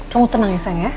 kamu tenang ya sayang ya